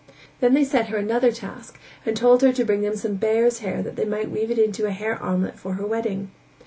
Then they set her another task and told her to bring them some bear's hair that they might weave it into a hair armlet for her wedding.